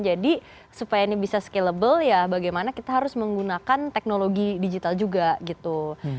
jadi supaya ini bisa scalable ya bagaimana kita harus menggunakan teknologi digital juga gitu